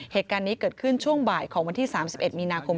เหตุการณ์นี้เกิดขึ้นช่วงบ่ายของวันที่๓๑มีนาคม